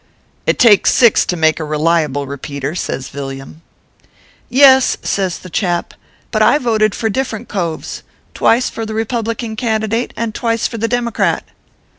"It takes six to make a reliable Repeater," says Villiam. " Yes," says the chap :" but I voted for different coves twice for the Republican candidate and twice for the Democrat."